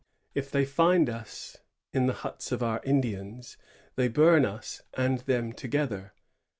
If they find us in the huts of our Indians, they bum us and them together.